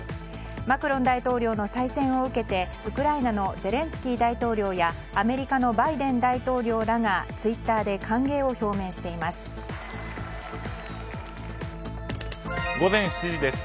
マクロン大統領の再選を受けてウクライナのゼレンスキー大統領やアメリカのバイデン大統領らがツイッターで午前７時です。